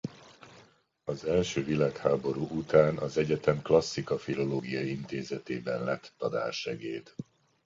Az első világháború után az egyetem Klasszika Filológia Intézetében lett tanársegéd.